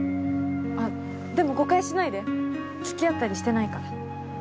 あっでも誤解しないで付き合ったりしてないから。